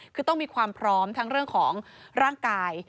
คือต้องมีความพร้อมทั้งเรื่องของร่างกาย